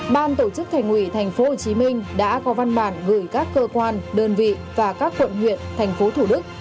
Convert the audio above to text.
ban tổ chức thành ủy tp hcm đã có văn bản gửi các cơ quan đơn vị và các quận huyện thành phố thủ đức